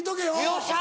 よっしゃ！